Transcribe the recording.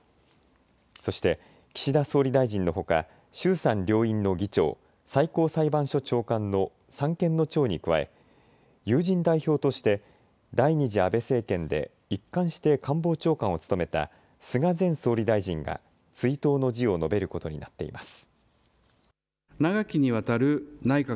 そして岸田総理大臣のほか、衆参両院の議長、最高裁判所長官の三権の長に加え、友人代表として第２次安倍政権で一貫して官房長官を務めた菅前総理大臣が追悼の辞を述べることになっています。